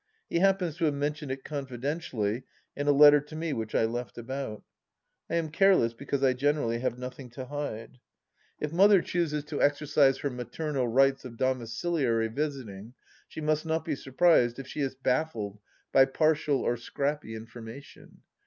He happens to have mentioned it confidentially in a letter to me which I left about. I am careless, because I have generally nothing to hide. If Mother chooses to 7 98 THE LAST DITCH exercise her maternal rights of domiciliary visiting she must not be surprised if she is baflBed by partial or scrappy in formation.